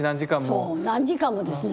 そう何時間もですね。